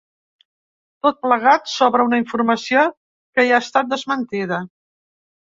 Tot plegat sobre una informació que ja ha estat desmentida.